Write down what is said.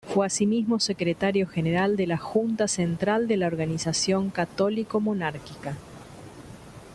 Fue asimismo secretario general de la Junta central de la organización católico-monárquica.